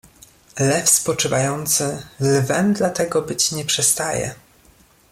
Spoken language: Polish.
"Lew spoczywający lwem dla tego być nie przestaje."